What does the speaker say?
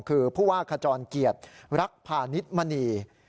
คือผู้หว่าขจรเกียจรักพานิทมณี